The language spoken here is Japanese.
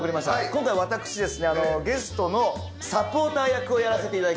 今回私ゲストのサポーター役をやらせていただきます